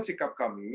jadi itu sikap kami